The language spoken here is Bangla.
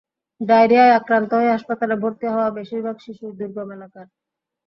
ডায়রিয়ায় আক্রান্ত হয়ে হাসপাতালে ভর্তি হওয়া বেশির ভাগ শিশুই দুর্গম এলাকার।